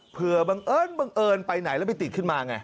เผื่อบังเอิญไปไหนแล้วไปติดขึ้นมาไง